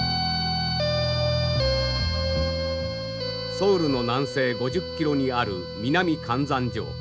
ソウルの南西５０キロにある南漢山城。